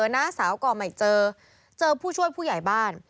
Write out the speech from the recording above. น้าสาวก็ไม่เจอเจอผู้ช่วยผู้ใหญ่บ้าน